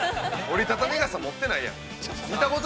折り畳み傘持ってないやん。